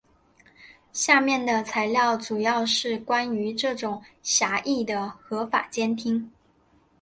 下面的材料主要是关于这种狭义的合法监听。